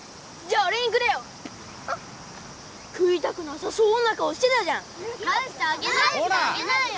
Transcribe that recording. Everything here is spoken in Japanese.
あっ食いたくなさそうな顔してたじゃん返してあげなよ！